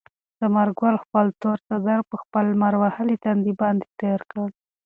ثمر ګل خپل تور څادر په خپل لمر وهلي تندي باندې تېر کړ.